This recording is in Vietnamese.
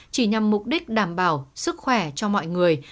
chỉ nhằm mục đích đảm bảo sức khỏe cho mọi người